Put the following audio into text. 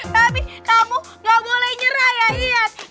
tapi kamu gak boleh nyerah ya iya